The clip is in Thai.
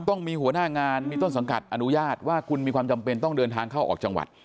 ต้องมีหัวหน้างานมีต้นสังกัดอนุญาตว่าคุณมีความจำเป็นต้องเดินทางเข้าออกจังหวัด